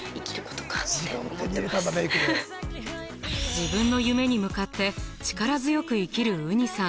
自分の夢に向かって力強く生きるうにさん